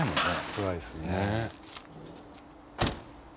暗いですね。